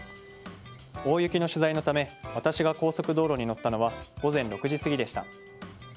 大雪の取材のため私が高速道路に乗ったのは午前６時過ぎでした。